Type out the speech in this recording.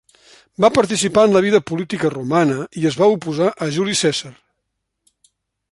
Va participar en la vida política romana i es va oposar a Juli Cèsar.